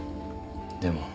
でも